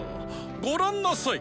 ご覧なさい